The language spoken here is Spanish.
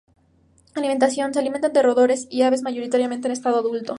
Alimentación: Se alimenta de roedores y aves mayoritariamente en estado adulto.